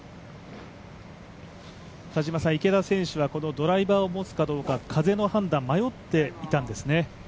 池田選手はドライバーを持つかどうか、風の判断、迷っていたんですね。